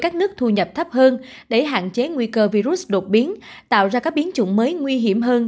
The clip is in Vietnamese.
các nước thu nhập thấp hơn để hạn chế nguy cơ virus đột biến tạo ra các biến chủng mới nguy hiểm hơn